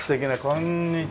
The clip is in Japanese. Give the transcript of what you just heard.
こんにちは。